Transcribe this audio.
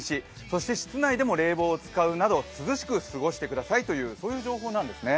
そして室内でも冷房を使うなど涼しく過ごしてくださいという情報なんですね。